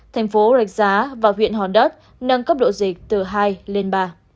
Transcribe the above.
thành phố rạch giá và huyện hòn đất nâng cấp độ dịch từ hai lên ba